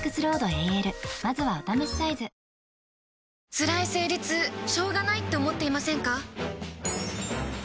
つらい生理痛しょうがないって思っていませんか？